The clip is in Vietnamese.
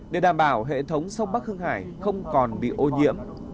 để đảm bảo hệ thống sông bắc hưng hải không còn bị ô nhiễm